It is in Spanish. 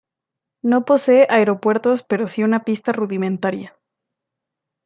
No posee aeropuertos pero sí una pista rudimentaria.